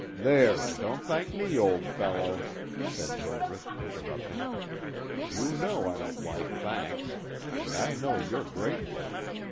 "There, don't thank me, old fellow," said Hildreth, interrupting; "you know I don't like thanks, and I know you're grateful.